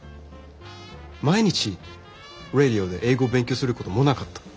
毎日ｒａｄｉｏで英語を勉強することもなかった。